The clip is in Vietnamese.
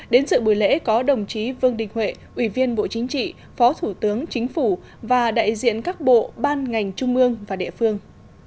đến sự buổi lễ có đồng chí vương đình huệ ủy viên bộ chính trị phó thủ tướng chính phủ và đại diện các bộ ban ngành trung ương và địa phương